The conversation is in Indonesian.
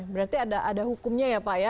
berarti ada hukumnya ya pak ya